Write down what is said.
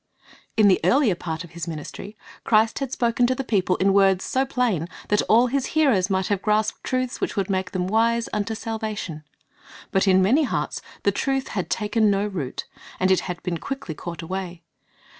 In the earlier part of His ministry, Christ had spoken to the people in words so plain that all His hearers might have grasped truths which would make them wise unto salvation. But in many hearts the truth had taken no root, and it had been quickly caught away.